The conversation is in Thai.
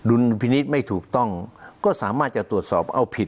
ลพินิษฐ์ไม่ถูกต้องก็สามารถจะตรวจสอบเอาผิด